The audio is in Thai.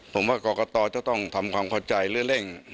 ผมว่ากรกตจะต้องทำความเข้าใจหรือเร่ง